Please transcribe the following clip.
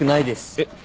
えっ！